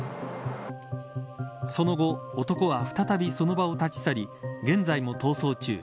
その後男は再びその場を立ち去り現在も逃走中。